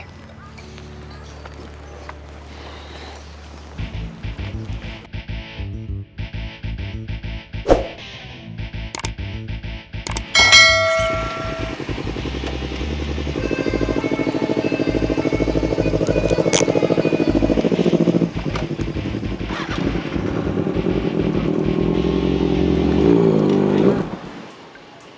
oke kita ke warung